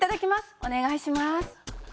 お願いします。